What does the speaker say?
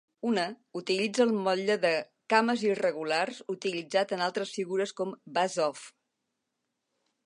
Una utilitza el motlle de "cames irregulars" utilitzat en altres figures com Buzz-Off.